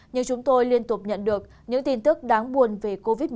như chúng tôi liên tục nhận được những tin tức đáng buồn về covid một mươi chín